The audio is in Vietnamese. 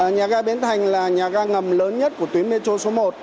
nhà ga bến thành là nhà ga ngầm lớn nhất của tuyến metro số một